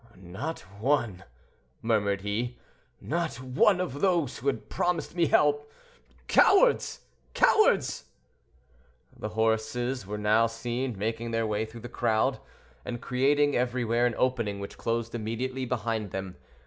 "No one," murmured he; "not one of those who had promised me help. Cowards! cowards!" The horses were now seen making their way through the crowd, and creating everywhere an opening which closed immediately behind them.